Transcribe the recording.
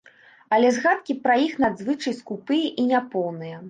Але згадкі пра іх надзвычай скупыя і няпоўныя.